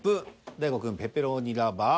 大悟くん「ペパロニラバー」。